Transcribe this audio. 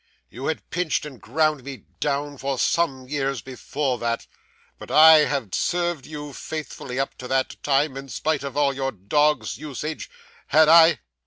You had pinched and ground me down for some years before that, but I had served you faithfully up to that time, in spite of all your dog's usage. Had I?